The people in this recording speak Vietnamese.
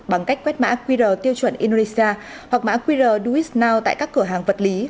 bằng cách quét mã qr tiêu chuẩn indonesia hoặc mã qr do it now tại các cửa hàng vật lý